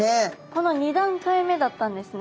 この２段階目だったんですね。